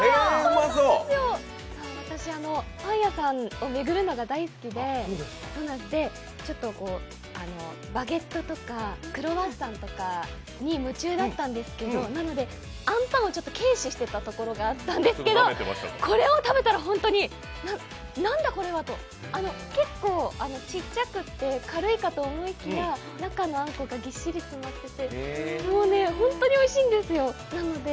私、パン屋さんを巡るのが大好きでちょっとバゲットとかクロワッサンとかに夢中だったんですけど、なのであんぱんを軽視してたところがあったんですけどこれを食べたら、本当になんだこれはと。結構ちっちゃくて軽いかと思いきや、中のあんこがぎっしり詰まっててもうね、ホントにおいしいんですよ